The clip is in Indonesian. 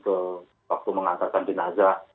ke waktu mengantarkan jenazah